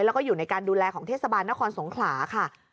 แล้วก็อยู่ในการดูแลของเทศบาลนครสงขลาค่ะ